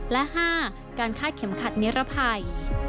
และ๕การคาดเข็มขัดนิรภัย